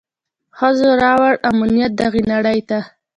ښځو راووړ امنيت دغي نړۍ ته.